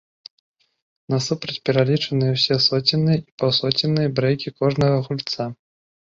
Насупраць пералічаныя ўсе соценныя і паўсоценныя брэйкі кожнага гульца.